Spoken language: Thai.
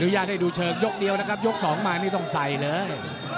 ยกเดียวนะครับยกสองมาไม่ต้องใส่เลย